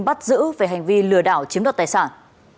bắt giữ về hành vi lừa đảo chiếm đoạt tài sản